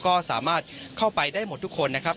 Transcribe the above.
ก็สามารถเข้าไปได้หมดทุกคนนะครับ